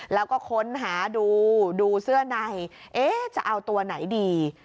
แล้วก็ค้นหาดูดูเสื้อในเอ๊ะจะเอาตัวไหนดี